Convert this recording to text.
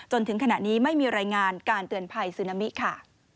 จนถึงขณะนี้ไม่มีรายงานการเตือนภัยซึนามิค่ะ